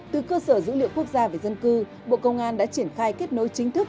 từ cơ sở dữ liệu quốc gia về dân cư bộ công an đã triển khai kết nối chính thức